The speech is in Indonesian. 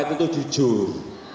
sarumpai itu jujur